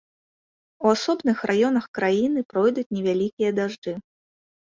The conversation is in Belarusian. У асобных раёнах краіны пройдуць невялікія дажджы.